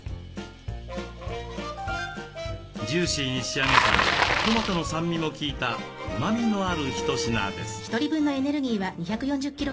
ジューシーに仕上げたトマトの酸味も効いたうまみのある一品です。